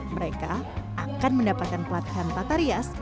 mereka akan mendapatkan penyelesaian